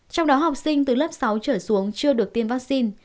trong đó học sinh từ lớp sáu trở xuống chưa được tiêm vaccine